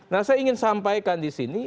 nah saya ingin sampaikan di sini